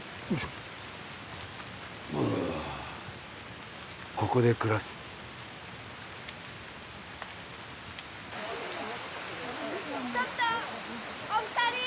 うわあっここで暮らすちょっとお二人！